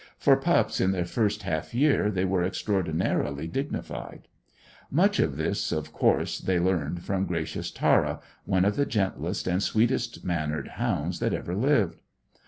For pups in their first half year they were extraordinarily dignified. Much of this, of course, they learned from gracious Tara, one of the gentlest and sweetest mannered hounds that ever lived.